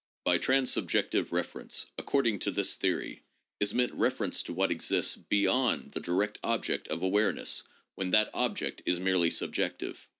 By transsubjective refer ence, according to this theory, is meant reference to what exists beyond the direct object of awareness when that object is merely subjective.